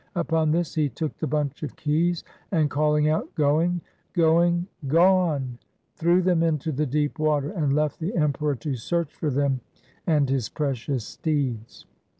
Upon this he took the bunch of keys and calling out, 'Going, going, gone,' threw them into the deep water, and left the Emperor to search for them and his precious steeds.